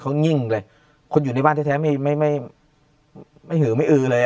เขานิ่งเลยคนอยู่ในบ้านแท้ไม่ไม่หือไม่อือเลย